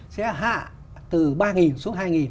sẽ hạ từ ba nghìn xuống hai nghìn